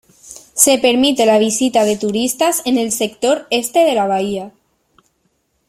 Se permite la visita de turistas en el sector este de la bahía.